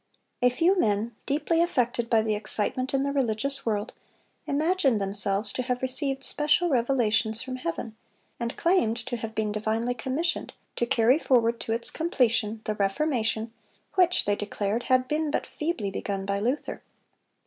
A few men, deeply affected by the excitement in the religious world, imagined themselves to have received special revelations from Heaven, and claimed to have been divinely commissioned to carry forward to its completion the Reformation which, they declared, had been but feebly begun by Luther.